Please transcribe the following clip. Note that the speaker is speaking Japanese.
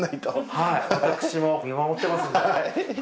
はい私も見守ってますんで。